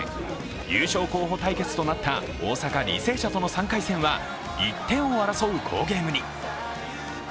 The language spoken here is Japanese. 優勝候補対決となった大阪・履正社との３回戦は１点を争う好ゲームに。